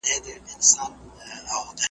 هلته بل ميوند جوړيږي .